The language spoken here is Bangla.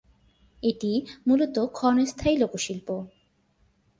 এটি মূলত ক্ষণস্থায়ী লোকশিল্প।